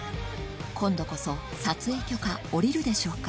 今度こそ撮影許可下りるでしょうか？